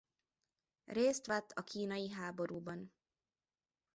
Részt vett a kínai háborúban.